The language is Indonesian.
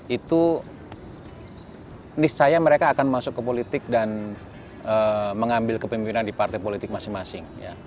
itu niscaya mereka akan masuk ke politik dan mengambil kepemimpinan di partai politik masing masing